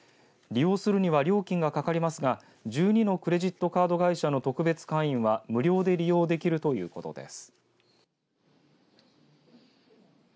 利用するには料金がかかりますが１２のクレジットカード会社の特別会員は無料で利用できるということです。